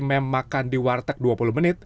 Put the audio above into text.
meme makan di warteg dua puluh menit